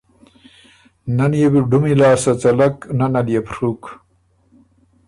نۀ ن يې بُو ډُمی لاسته څلک نۀ نه ليې بو ڒُوک۔